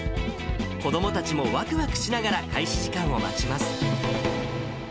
子どもたちもわくわくしながら、開始時間を待ちます。